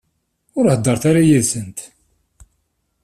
Ur heddṛet ara yid-sent.